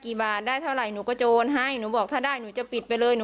เขาไม่คืนไม่เท่าไรเดี๋ยวเขาอยากต้องบอกเขาไม่จับเตือนบอกให้